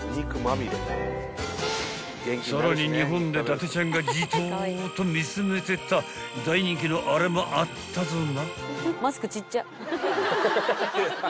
［さらに日本で伊達ちゃんがじとーっと見つめてた大人気のあれもあったぞな］